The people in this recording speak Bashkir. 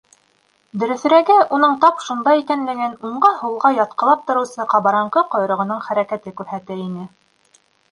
Дөрөҫөрәге, уның тап шунда икәнлеген уңға-һулға ятҡылап тороусы ҡабарынҡы ҡойроғоноң хәрәкәте күрһәтә ине.